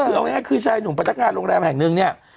เอาง่ายคือฉายหนุ่มปัจจักรโรงแรมแห่งนึงนี่